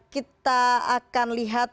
kita akan lihat